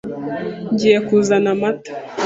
Ngiye kuzana amata.